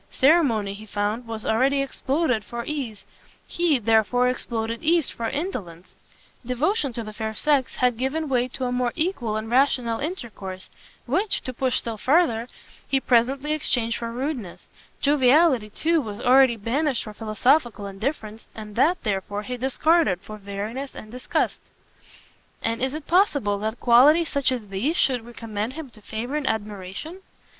Ceremony, he found, was already exploded for ease, he, therefore, exploded ease for indolence; devotion to the fair sex, had given way to a more equal and rational intercourse, which, to push still farther, he presently exchanged for rudeness; joviality, too, was already banished for philosophical indifference, and that, therefore, he discarded, for weariness and disgust." "And is it possible that qualities such as these should recommend him to favour and admiration?"